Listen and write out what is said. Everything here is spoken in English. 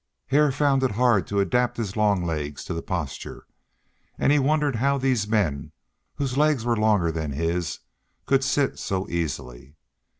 Hare found it hard to adapt his long legs to the posture, and he wondered how these men, whose legs were longer than his, could sit so easily.